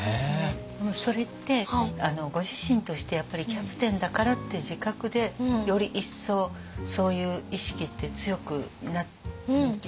それってご自身としてやっぱりキャプテンだからって自覚でより一層そういう意識って強くなりましたよねきっと。